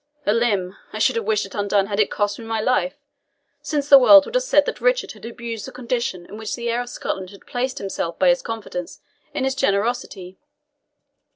A limb! I should have wished it undone had it cost me my life since the world would have said that Richard had abused the condition in which the heir of Scotland had placed himself by his confidence in his generosity."